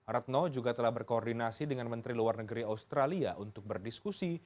retno juga telah berkoordinasi dengan menteri luar negeri australia untuk berdiskusi